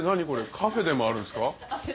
カフェでもあるんですか？